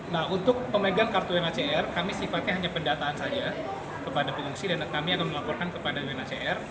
nah untuk pemegang kartu nacr kami sifatnya hanya pendataan saja kepada pengungsi dan kami akan melaporkan kepada wnacr